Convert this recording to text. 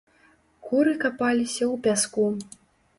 Куры капаліся ў пяску.